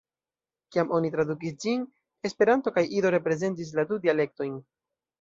Kiam oni tradukis ĝin, Esperanto kaj Ido reprezentis la du dialektojn.